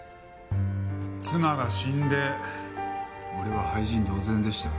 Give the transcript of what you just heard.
妻が死んで俺は廃人同然でした。